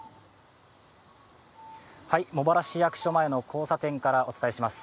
茂原市役所前の交差点からお伝えします。